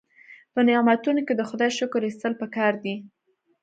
په نعمتونو کې د خدای شکر ایستل پکار دي.